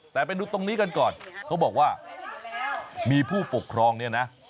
แต่ไปดูตรงนี้กันก่อนเขาบอกว่ามีผู้ปกครองเนี่ยนะ